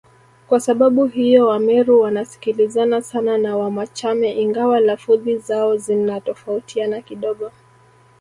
Kwa sababu hiyo Wameru wanasikilizana sana na Wamachame ingawa lafudhi zao zinatofautiana kidogo